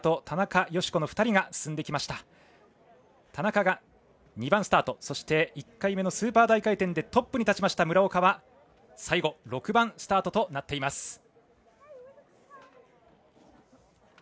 田中が２番スタートそして１回目のスーパー大回転でトップに立ちました村岡は最後６番スタートとなっています。